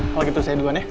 kalau gitu saya duluan ya